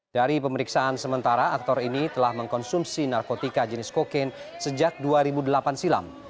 dari pemeriksaan sementara aktor ini telah mengkonsumsi narkotika jenis kokain sejak dua ribu delapan silam